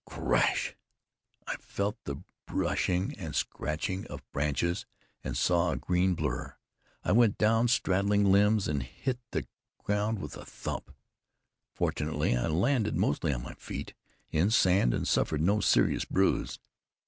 Crash! I felt the brushing and scratching of branches, and saw a green blur. I went down straddling limbs and hit the ground with a thump. Fortunately, I landed mostly on my feet, in sand, and suffered no serious bruise.